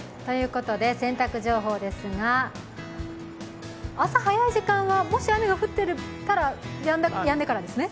洗濯情報ですが、朝早い時間はもし雨が降ってたら、やんでからですね。